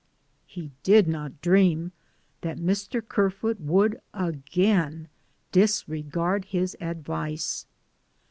He did not dream that Mr. Kerfoot would again disregard his advice.